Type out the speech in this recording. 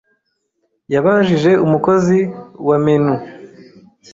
yabajije umukozi wa menu.